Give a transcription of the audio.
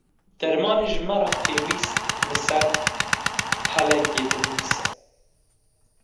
Dermanê ji me re pêwîst li ser pelekê dinivîse.